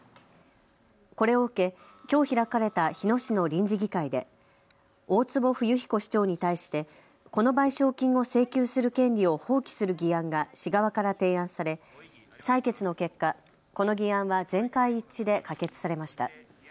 これを受けきょう開かれた日野市の臨時議会で大坪冬彦市長に対してこの賠償金を請求する権利を放棄する議案が市側から提案され採決の結果、この議案は全会一致で可決されました。